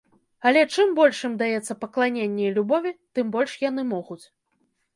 Але чым больш ім даецца пакланення і любові, тым больш яны могуць.